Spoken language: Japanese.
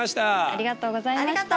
ありがとうございます。